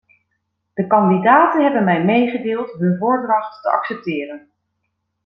De kandidaten hebben mij meegedeeld hun voordracht te accepteren.